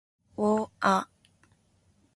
を―あ